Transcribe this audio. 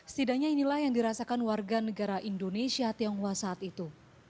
setidaknya inilah yang dirasakan warga negara indonesia tionghoa saat itu